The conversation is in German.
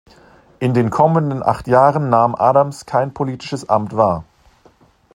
In den kommenden acht Jahren nahm Adams kein politisches Amt wahr.